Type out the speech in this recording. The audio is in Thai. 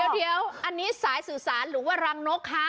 เดี๋ยวอันนี้สายสื่อสารหรือว่ารังนกคะ